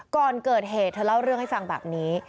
ก่อนเกิดเหตุเธอเล่าเรื่องให้ฟังแบบนี้